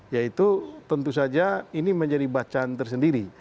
yaitu tentu saja ini menjadi bacaan tersendiri